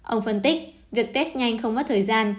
ông phân tích việc test nhanh không mất thời gian